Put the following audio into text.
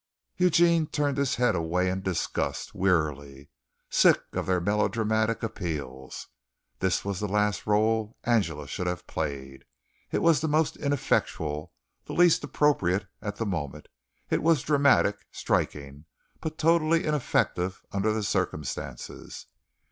Eugene turned his head away in disgust wearily sick of their melodramatic appeals. This was the last rôle Angela should have played. It was the most ineffectual, the least appropriate at the moment. It was dramatic, striking, but totally ineffective under the circumstances.